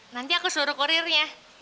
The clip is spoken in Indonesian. nanti aku suruh kurirnya